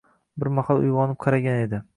Bir mahal uygʻonib qaragan edi.